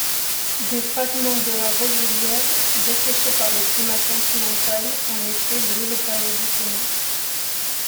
Des fragments de la roselière, desséchés par le climat continental en été brûlent périodiquement.